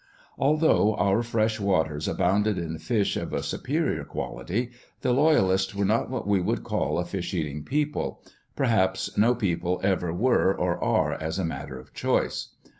Although our fresh waters abounded in fish of a superior quality, the Loyalists were not what we would call a fish eating people—perhaps no people ever were or are as a matter of choice.